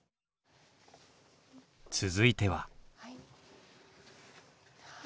続いては。